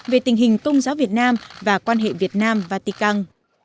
về tình hình công giáo việt nam và quan hệ việt nam vatican